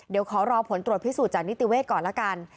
เดี๋ยวขอรอผลตรวจพิสูจนจากนิติเวศก่อนละกัน